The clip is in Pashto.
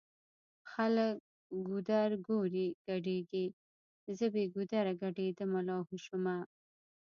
خلکه ګودرګوري ګډيږی زه بې ګودره ګډيدمه لا هو شومه